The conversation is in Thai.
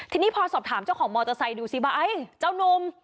ทีนี้พอสอบถามเจ้าของมอเตอร์ไซค์ดูซิว่าเจ้านุ่ม